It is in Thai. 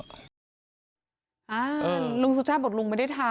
ลุงสุชาติบอกลุงไม่ได้ทำ